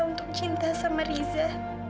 untuk cinta sama riza